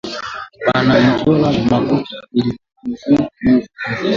Bana muchomola makuta ilikuwa muufuko